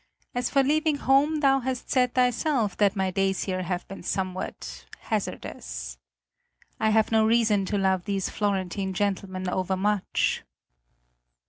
As for leaving home thou hast said thyself that my days here have been somewhat hazardous. I have no reason to love these Florentine gentlemen overmuch."